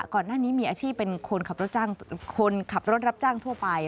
ก่อนหน้านี้มีอาชีพเป็นคนขับรถรับจ้างทั่วไป